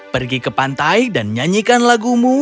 pergi ke pantai dan nyanyikan lagumu